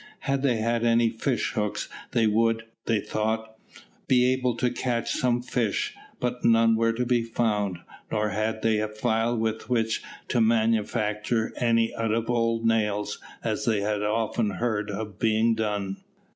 Had they had any fish hooks, they would, they thought, be able to catch some fish, but none were to be found, nor had they a file with which to manufacture any out of old nails, as they had often heard of being done.